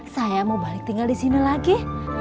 saya mau balik tinggal disini lagi